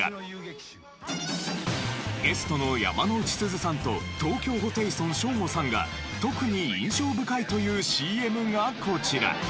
ゲストの山之内すずさんと東京ホテイソンショーゴさんが特に印象深いというＣＭがこちら。